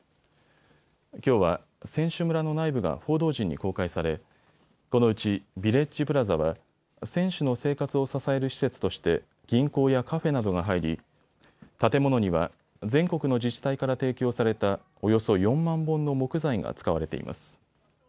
きょうは選手村の内部が報道陣に公開されこのうちビレッジプラザは選手の生活を支える施設として銀行やカフェなどが入り建物には全国の自治体から提供されたおよそ４万本の木材が使われています。